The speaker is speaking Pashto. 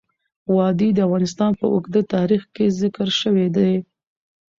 وادي د افغانستان په اوږده تاریخ کې ذکر شوی دی.